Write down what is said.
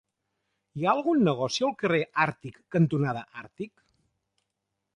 Hi ha algun negoci al carrer Àrtic cantonada Àrtic?